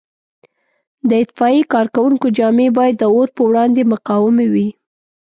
د اطفایې کارکوونکو جامې باید د اور په وړاندې مقاومې وي.